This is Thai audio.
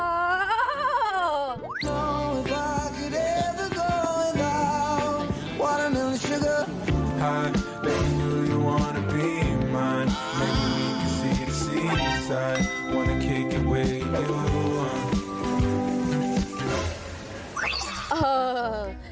วันนี้แค่เก็บเวย์ดูวัง